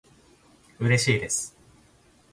うれしいです